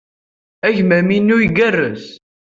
Agmam-inu igerrez.